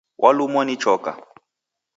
Walumwa ni choka